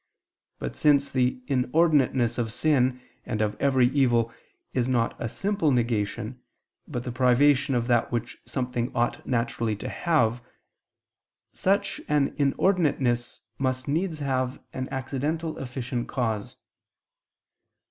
But, since the inordinateness of sin and of every evil is not a simple negation, but the privation of that which something ought naturally to have, such an inordinateness must needs have an accidental efficient cause.